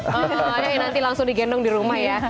oh iya nanti langsung digendong di rumah ya